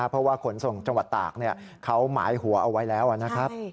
เพราะว่าขนส่งจังหวัดตากเขาหมายหัวเอาไว้แล้วนะครับ